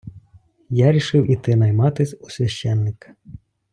Я рішив іти найматись у священика.